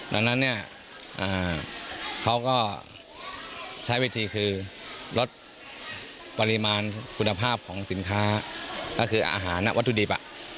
ดังนั้นเนี่ยเขาก็ใช้วิธีคือลดปริมาณคุณภาพของสินค้าก็คืออาหารและวัตถุดิบ